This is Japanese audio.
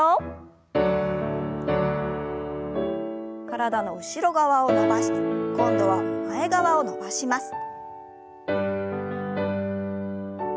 体の後ろ側を伸ばして今度は前側を伸ばします。